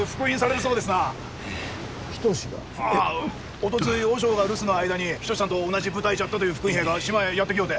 おとつい和尚が留守の間に一さんと同じ部隊じゃったという復員兵が島へやって来ようて。